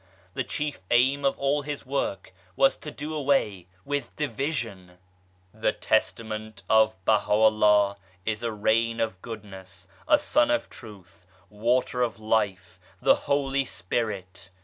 The chief aim of all his work was to do away with division. The Testament of Baha'u'llah is a Rain of Goodness, a Sun of Truth, Water of Life, the Holy Spirit.